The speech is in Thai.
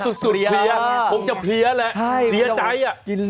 เฮียสุดเฮียผมจะเฮียแหละเฮียใจอะ